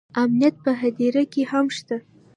امنیت په هدیره کې هم شته